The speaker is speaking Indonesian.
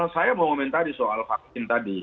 saya mau komentari soal vaksin tadi